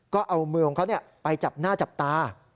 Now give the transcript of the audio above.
ก็เอามือของเขาไปจับหน้าจับตา